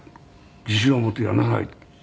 「自信を持ってやりなさい」って。